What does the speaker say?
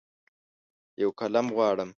یوقلم غواړم